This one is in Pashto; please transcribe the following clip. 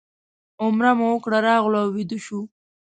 عمره مو وکړه راغلو او ویده شوو.